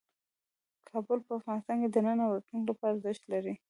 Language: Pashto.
کابل په افغانستان کې د نن او راتلونکي لپاره ارزښت لري.